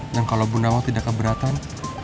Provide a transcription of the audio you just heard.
dan kalau ibu nawang tidak keberatan